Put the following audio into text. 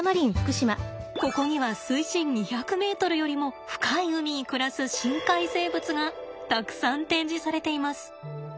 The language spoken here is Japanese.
ここには水深２００ｍよりも深い海に暮らす深海生物がたくさん展示されています。